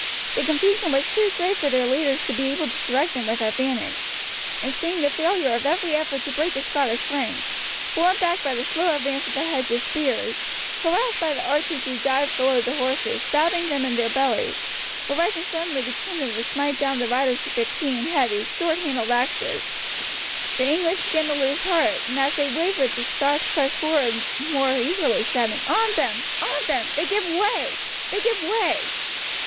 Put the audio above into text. The confusion was too great for their leaders to be able to direct them with advantage, and seeing the failure of every effort to break the Scottish ranks, borne back by the slow advance of the hedge of spears, harassed by the archers who dived below the horses, stabbing them in their bellies, or rising suddenly between them to smite down the riders with their keen, heavy, short handled axes, the English began to lose heart, and as they wavered the Scotch pressed forward more eagerly, shouting, "On them! on them! They give way! they give way!"